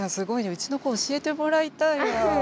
うちの子教えてもらいたいわ。